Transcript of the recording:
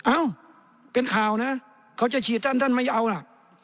อ้าวเป็นข่าวนะเขาจะฉีดด้านไม่เอาอ่ะ